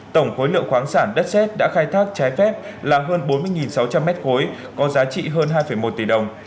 tổng khối lượng khoáng sản đất xét đã khai thác trái phép là hơn bốn mươi sáu trăm linh mét khối có giá trị hơn hai một tỷ đồng